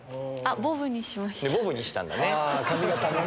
ボブにしたんだね。